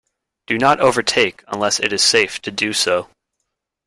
Do not overtake unless it is safe to do so.